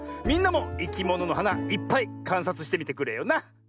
みんなもいきもののはないっぱいかんさつしてみてくれよな！